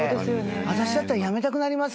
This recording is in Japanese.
私だったらやめたくなりますもん。